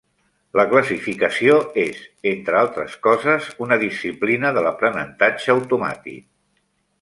La classificació és, entre altres coses, una disciplina de l'aprenentatge automàtic.